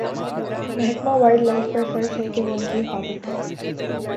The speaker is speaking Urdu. محکمہ وائلڈ لائف پر فرض ہے کہ وہ ان کی حفاظت کریں